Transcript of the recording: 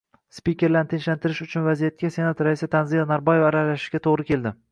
Spikerlarni tinchlantirish uchun vaziyatga Senat raisi Tanzila Norboyeva aralashishiga to‘g‘ri keldi